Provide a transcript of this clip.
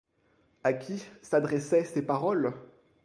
À qui s’adressaient ces paroles?